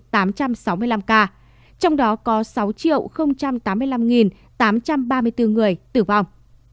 trong đó có sáu tám mươi năm tám trăm ba mươi bốn người tử vong